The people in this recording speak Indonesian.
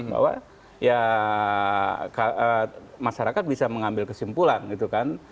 bahwa ya masyarakat bisa mengambil kesimpulan gitu kan